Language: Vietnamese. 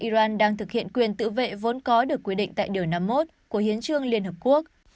iran đang thực hiện quyền tự vệ vốn có được quy định tại điều năm mươi một của hiến trương liên hợp quốc